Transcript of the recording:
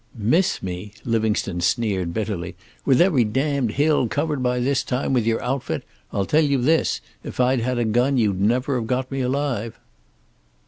"Miss me!" Livingstone sneered bitterly. "With every damned hill covered by this time with your outfit! I'll tell you this. If I'd had a gun you'd never have got me alive."